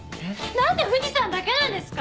何で藤さんだけなんですか！